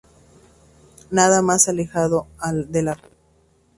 Nada más alejado de la realidad.